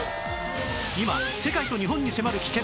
今世界と日本に迫る危険！